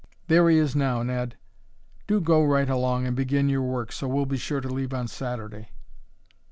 There he is now, Ned! Do go right along and begin your work, so we'll be sure to leave on Saturday."